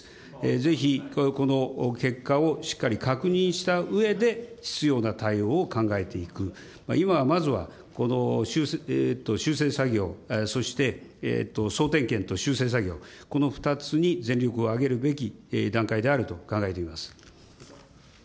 ぜひこの結果をしっかり確認したうえで、必要な対応を考えていく、今はまずは、この修正作業、そして、総点検と修正作業、この２つに全力を挙げるべき段階であると考えています。